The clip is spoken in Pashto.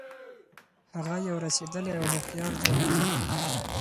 هغه یو رسېدلی او هوښیار ځوان دی.